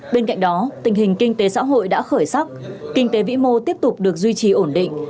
bên cạnh đó tình hình kinh tế xã hội đã khởi sắc kinh tế vĩ mô tiếp tục được duy trì ổn định